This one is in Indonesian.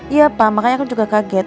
iya pak makanya aku juga kaget